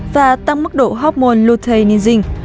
và tăng mức độ hormone luteinizing